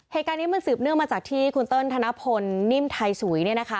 เหตุการณ์นี้มันสืบเนื่องมาจากที่คุณเติ้ลธนพลณดารานักแสดงค่ะ